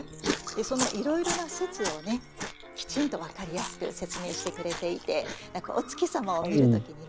そのいろいろな説をきちんと分かりやすく説明してくれていて何かお月様を見る時にね